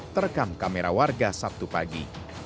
terekam kamera warga sabtu pagi